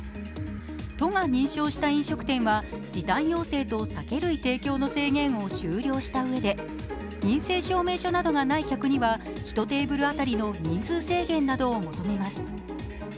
都が認証した飲食店は時短要請と酒類提供の制限を終了したうえで陰性証明書などがない客には１テーブル当たりの人数制限などを求めます。